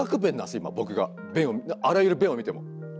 今僕があらゆる便を見ても。